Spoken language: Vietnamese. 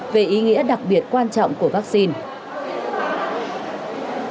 về ý nghĩa đặc biệt quan trọng của vaccine